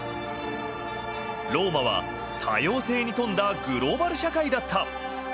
ローマは、多様性に富んだグローバル社会だった。